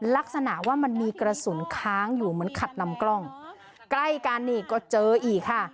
ลักษณะว่ามันมีกระสุนค้างอยู่เหมือนขัดลำกล้องใกล้กันนี่ก็เจออีกค่ะ